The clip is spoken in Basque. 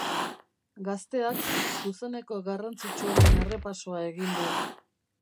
Gazteak zuzeneko garrantzitsuenen errepasoa egin du.